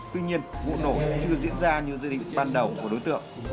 tuy nhiên vụ nổ chưa diễn ra như dự định ban đầu của đối tượng